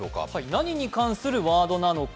何に関するワードなのか。